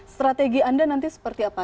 strategi anda nanti seperti apa